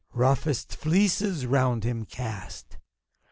Roughest fleeces round him cast